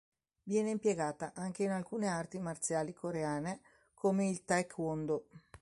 Viene impiegata anche in alcune arti marziali coreane come il Taekwondo.